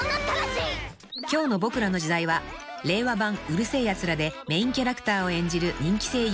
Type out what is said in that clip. ［今日の『ボクらの時代』は令和版『うる星やつら』でメインキャラクターを演じる人気声優の３人］